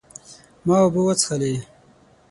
ما اوبه وڅښلې